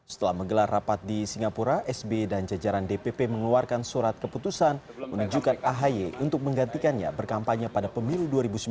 setelah menggelar rapat di singapura sbe dan jajaran dpp mengeluarkan surat keputusan menunjukkan ahy untuk menggantikannya berkampanye pada pemilu dua ribu sembilan belas